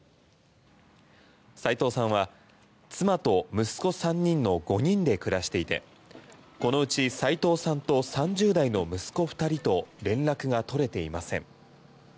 齋藤さんは妻と息子３人の５人で暮らしていてこのうち齋藤さんと３０代の息子２人と連絡が取れていません。